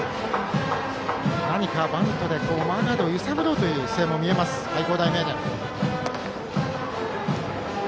何かバントでマーガードを揺さぶろうという姿勢も見える愛工大名電。